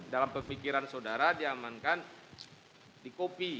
dalam pemikiran saudara diamankan dikopi